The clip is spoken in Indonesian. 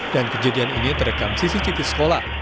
dan kejadian ini terekam sisi citi sekolah